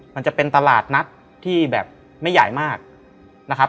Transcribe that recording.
มันจะเป็นตลาดนัดที่แบบไม่ใหญ่มากนะครับ